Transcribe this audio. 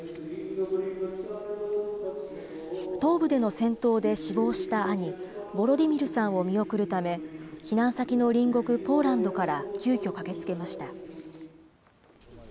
東部での戦闘で死亡した兄、ボロディミルさんを見送るため、避難先の隣国、ポーランドから急きょ駆けつけました。